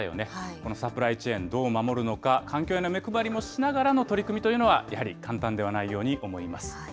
このサプライチェーン、どう守るのか、環境への目配りもしながらどう守るのか、取り組みというのは、やはり簡単ではないように思います。